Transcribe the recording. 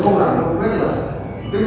chúng ta không làm công việc